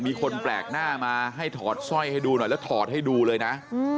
มีคนแปลกหน้ามาให้ถอดสร้อยให้ดูหน่อยแล้วถอดให้ดูเลยนะ